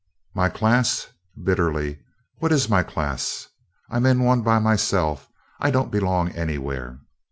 "My class!" bitterly. "What is my class? I'm in one by myself I don't belong anywhere."